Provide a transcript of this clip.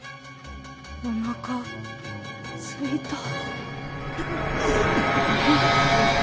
おなかすいた。